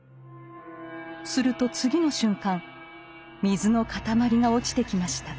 すると次の瞬間水の塊が落ちてきました。